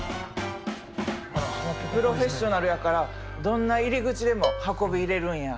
プロフェッショナルやからどんな入り口でも運び入れるんや。